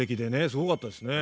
すごかったですね。